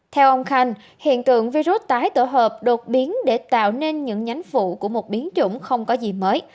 theo ông khanh hiện tượng virus tái tổ hợp đột biến để tạo nên những nhánh phụ của một biến chủng không có gì mới